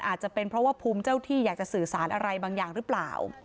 อาจจะเป็นเพราะว่าภูมิเจ้าที่อยากจะสื่อสารอะไรบางอย่างหรือเปล่า